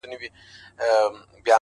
اوښـكه د رڼـــا يــې خوښــــه ســـوېده؛